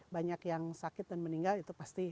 banyak yang sakit dan meninggal itu pasti